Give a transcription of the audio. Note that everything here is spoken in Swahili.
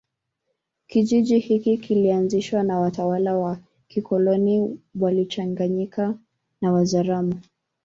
Kijiji hiki kilianzishwa na watalawa wa kikoloni walichanganyika na Wazaramo